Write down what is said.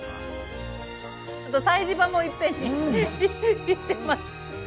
祭祀場もいっぺんにいってます。